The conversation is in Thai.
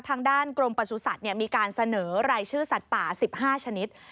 ทางด้านกรมประสุทธิ์มีการเสนอรายชื่อสัตว์ป่า๑๕ชนิด